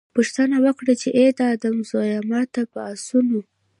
پوښتنه وکړي چې اې د آدم زويه! ما ته په آسونو